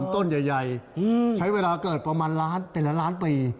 ต้นใหญ่ใช้เวลาเกิดประมาณล้านแต่ละล้านปี